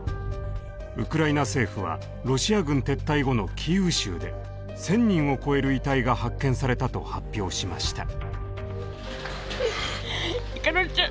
ウクライナ政府はロシア軍撤退後のキーウ州で１，０００人を超える遺体が発見されたと発表しました。